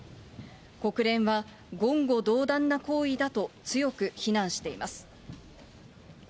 国連は、言語道断な行為だと強く非難しています。